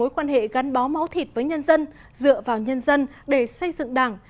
mối quan hệ gắn bó máu thịt với nhân dân dựa vào nhân dân để xây dựng đảng